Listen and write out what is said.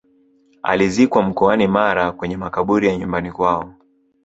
alizikwa mkoani mara kwenye makaburi ya nyumbani kwao